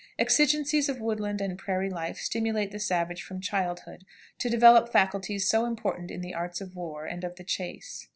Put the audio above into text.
Exigencies of woodland and prairie life stimulate the savage from childhood to develop faculties so important in the arts of war and of the chase.